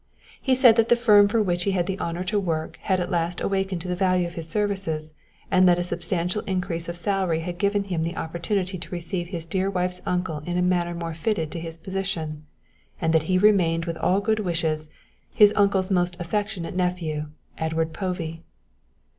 He said that the firm for which he had the honour to work had at last awakened to the value of his services, and that a substantial increase of salary had given him the opportunity to receive his dear wife's uncle in a manner more fitted to his position, and that he remained with all good wishes, his uncle's most affectionate nephew, Edward Povey.